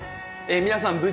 皆さん